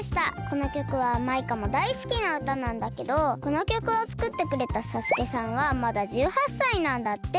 このきょくはマイカもだいすきなうたなんだけどこのきょくをつくってくれたＳＡＳＵＫＥさんはまだ１８さいなんだって。